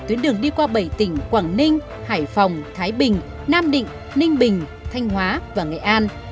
tuyến đường đi qua bảy tỉnh quảng ninh hải phòng thái bình nam định ninh bình thanh hóa và nghệ an